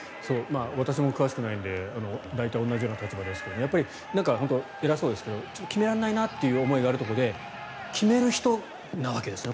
私も詳しくないので大体同じような立場ですけど偉そうですけど決められないなっていう思いがあるところで決める人なわけですよね